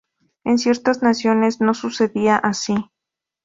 En ciertas naciones no sucede así.